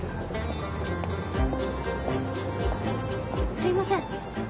すいません。